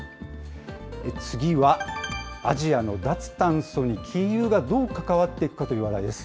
次は、アジアの脱炭素に金融がどう関わっていくかという話題です。